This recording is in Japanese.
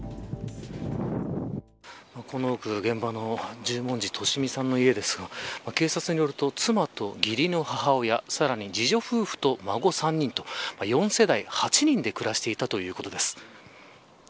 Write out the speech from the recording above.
この奥が現場の十文字利美さんの家ですが警察によると、妻と義理の母親さらに次女夫婦と孫３人と４世代８人で暮らしていたということです。